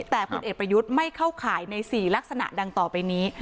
แต่พลเอกประยุทธ์ไม่เข้าข่ายใน๔ลักษณะดังต่อไปนี้